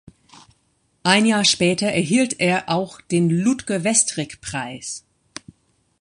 Ein Jahr später erhielt er auch den "Ludger-Westrick-Preis".